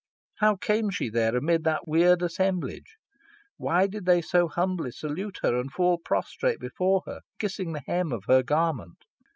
How came she there amid that weird assemblage? Why did they so humbly salute her, and fall prostrate before her, kissing the hem of her garment?